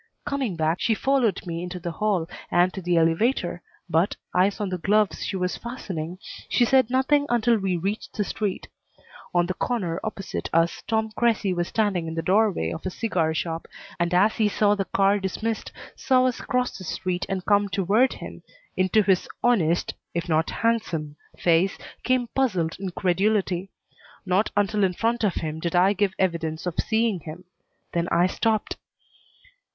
Coming back, she followed me into the hall and to the elevator, but, eyes on the gloves she was fastening, she said nothing until we reached the street. On the corner opposite us Tom Cressy was standing in the doorway of a cigar shop, and as he saw the car dismissed, saw us cross the street and come toward him, into his honest, if not handsome, face came puzzled incredulity. Not until in front of him did I give evidence of seeing him; then I stopped.